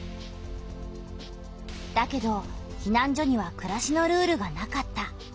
だけどひなん所にはくらしのルールがなかった。